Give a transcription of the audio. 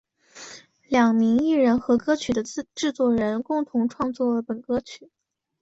两名艺人和歌曲的制作人共同创作了本歌曲。